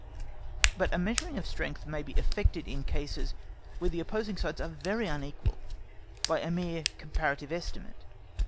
But a measuring of strength may be effected in cases where the opposing sides are very unequal by a mere comparative estimate.